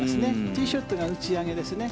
ティーショットが打ち上げですね。